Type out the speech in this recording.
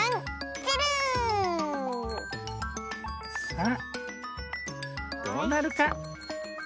さあどうなるか？